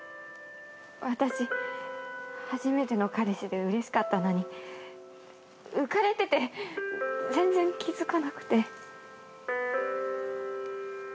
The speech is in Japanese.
私初めての彼氏でうれしかったのに浮かれてて全然気付かなくて。